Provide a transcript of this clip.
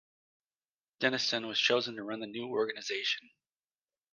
Denniston was chosen to run the new organisation.